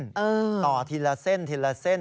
ต่อทีละเส้นทีละเส้น